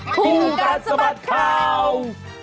ครูการสะบัดข่าว